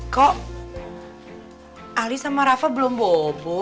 kok ali sama rafael belum bobo